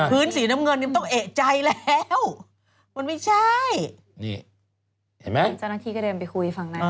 พื้นสีน้ำเงินต้องเอกใจแล้วมันไม่ใช่